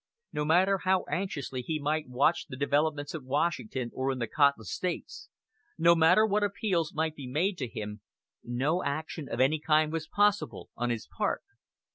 No matter how anxiously he might watch the developments at Washington or in the Cotton States, no matter what appeals might be made to him, no action of any kind was possible on his part.